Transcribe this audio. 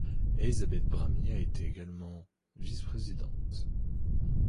Élisabeth Brami a également été vice-présidente.